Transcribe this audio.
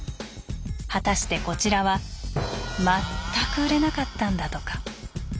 果たしてこちらは全く売れなかったんだとか。